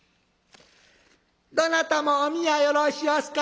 「どなたもおみやよろしおすか？